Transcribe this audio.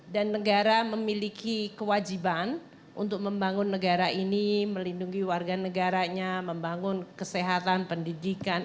dan negara memiliki kewajiban untuk membangun negara ini melindungi warga negaranya membangun kesehatan pendidikan